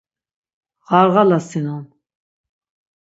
Ğarğalasinon...